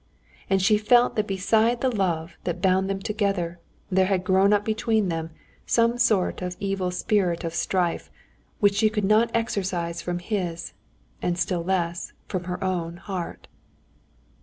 And she felt that beside the love that bound them together there had grown up between them some evil spirit of strife, which she could not exorcise from his, and still less from her own heart.